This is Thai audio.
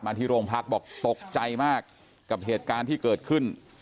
ที่โรงพักบอกตกใจมากกับเหตุการณ์ที่เกิดขึ้น